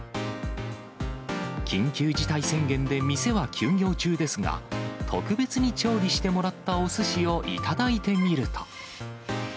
緊急事態宣言で店は休業中ですが、特別に調理してもらったおすしを頂いてみると。